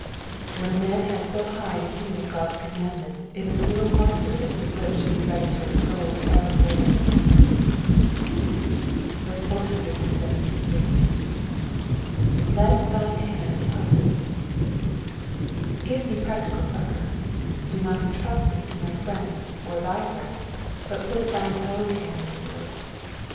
When a man has so high an opinion of God's commandments it is little wonder that his lips should be ready to extol the ever glorious One. 178. ^^Let thine hand help me.^^ Give me practical succour. Do not entrust me to my friends or thy friends, but put thine own hand to the work.